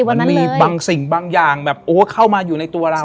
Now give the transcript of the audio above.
มันมีบางสิ่งบางอย่างแบบโอ้เข้ามาอยู่ในตัวเรา